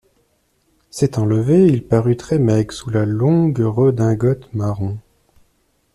S'étant levé, il parut très maigre sous la longue redingote marron.